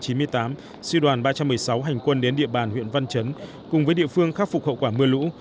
sư đoàn ba trăm một mươi sáu hành quân đến địa bàn huyện văn chấn cùng với địa phương khắc phục hậu quả mưa lũ